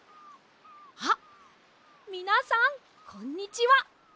あっみなさんこんにちは。